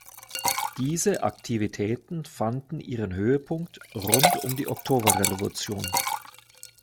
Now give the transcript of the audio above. Diese Aktivitäten fanden ihren Höhepunkt rund um die Oktoberrevolution.